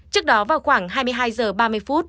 trước đó vào khoảng hai mươi hai h ba mươi phút